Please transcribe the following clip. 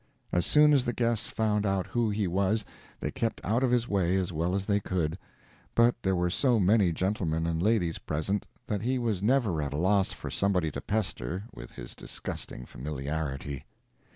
As soon as the guests found out who he was they kept out of his way as well as they could, but there were so many gentlemen and ladies present that he was never at a loss for somebody to pester with his disgusting familiarity.